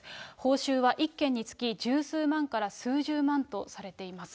報酬は１件につき十数万から数十万とされています。